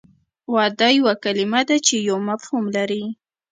واده یوه کلمه ده چې یو مفهوم لري